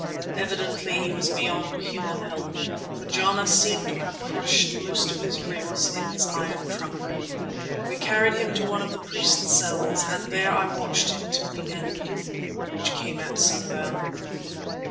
Evidently he was beyond human help, for Jana seemed to have crushed most of his ribs in his iron trunk. We carried him to one of the priest's cells and there I watched him till the end, which came at sundown.